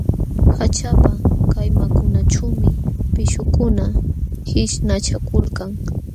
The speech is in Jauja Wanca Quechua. Haćhapa kallmankunaćhuumi pishqukuna qishnachakulkan.